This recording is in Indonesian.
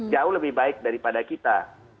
jauh lebih baik daripada kita